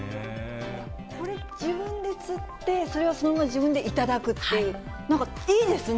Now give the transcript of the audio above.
これ、自分で釣って、それをそのまま自分で頂くっていう、なんかいいですね。